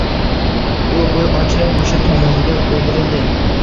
U gul-gul ochilib oʼsha tomonga oʼgirildi.